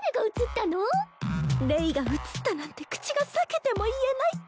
レイが映ったなんて口が裂けても言えないっちゃ